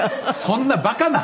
そんなバカな！